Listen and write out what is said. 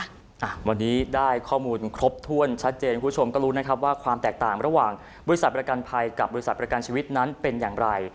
อ่าวันนี้ได้ข้อมูลครบถ้วนชัดเจนคุณผู้ชมก็รู้นะครับว่าความแตกต่างระหว่างบริษัทประกันภัยกับบริษัทประกันชีวิตนั้นเป็นอย่างไร